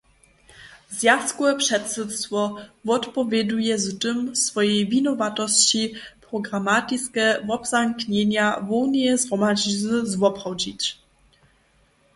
Zwjazkowe předsydstwo wotpowěduje z tym swojej winowatosći, programatiske wobzamknjenja hłowneje zhromadźizny zwoprawdźić.